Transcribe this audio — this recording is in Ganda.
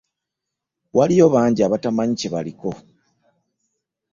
Waliyo bangi abatamanyi kye baliko.